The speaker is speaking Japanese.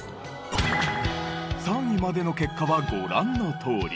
３位までの結果はご覧のとおり。